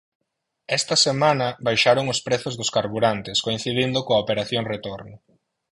Esta semana, baixaron os prezos dos carburantes, coincidindo coa operación retorno.